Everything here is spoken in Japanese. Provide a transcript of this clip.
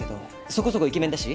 そこそこイケメンだし。